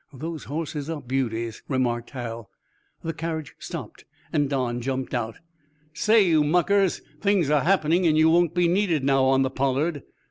Those horses are beauties," remarked Hal. The carriage stopped and Don jumped out. "Say, you muckers, things are happening and you won't be needed now on the 'Pollard.'"